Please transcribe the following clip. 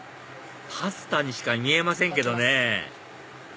パスタにしか見えませんけどね